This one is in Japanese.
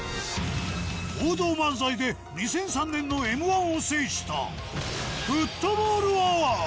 王道漫才で２００３年のＭー１を制したフットボールアワー。